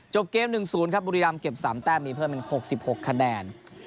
เกม๑๐ครับบุรีรำเก็บ๓แต้มมีเพิ่มเป็น๖๖คะแนน